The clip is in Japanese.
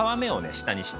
下にして。